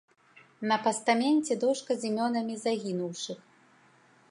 На пастаменце дошка з імёнамі загінуўшых.